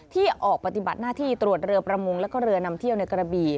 ที่ออกปฏิบัติหน้าที่ตรวจเรือประมงแล้วก็เรือนำเที่ยวในกระบี่